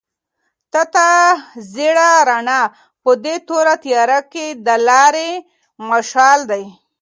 تته زېړه رڼا په دې توره تیاره کې د لارې مشال دی.